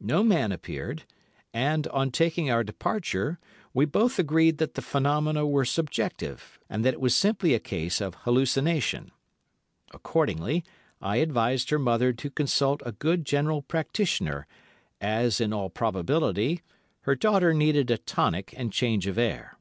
No man appeared, and, on taking our departure, we both agreed that the phenomena were subjective, and that it was simply a case of hallucination. Accordingly, I advised her mother to consult a good general practitioner, as, in all probability, her daughter needed a tonic and change of air.